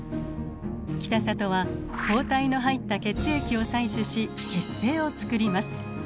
北里は抗体の入った血液を採取し血清をつくります。